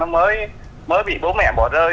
mới mới bị bố mẹ bỏ rơi